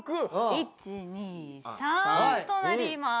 １２３となります。